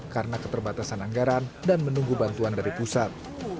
karena keterbatasan anggaran dan menunggu bantuan dari pusat